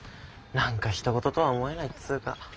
何か他人事とは思えないっつーか。